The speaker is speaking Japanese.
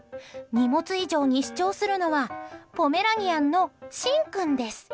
荷物以上に主張するのはポメラニアンのしん君です。